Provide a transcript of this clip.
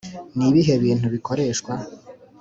ni ibihe bintu bikoreshwa?